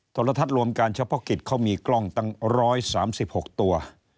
โทรทัศน์รวมการเฉพาะกิจเขามีกล้องตั้ง๑๓๖ตัว